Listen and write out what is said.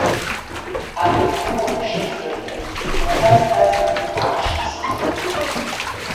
Акгьы умагәышьамзар, ӡыгмацәазк азна ахшгьы сызуҭом.